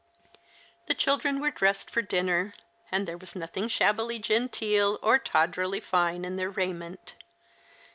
The children were dressed for dinner, and there was nothing shabbily genteel or tawdrily fine in their raiment.